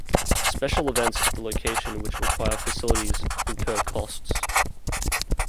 Special events at the location which require facilities incur costs.